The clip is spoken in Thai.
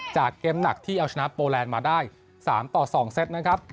เกมหนักที่เอาชนะโปแลนด์มาได้๓ต่อ๒เซตนะครับ